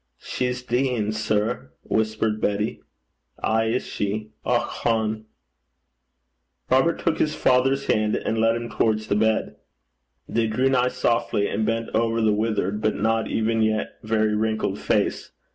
'She's deein', sir,' whispered Betty. 'Ay is she. Och hone!' Robert took his father's hand, and led him towards the bed. They drew nigh softly, and bent over the withered, but not even yet very wrinkled face.